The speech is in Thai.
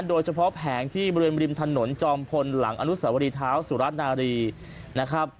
โดยเฉพาะแผงที่บริมริมถนนจอมพลหลังอนุสวริเท้าสุราชนารีนะครับ